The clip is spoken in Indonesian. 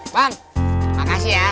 bang makasih ya